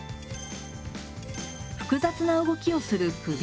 複雑な動きをする首。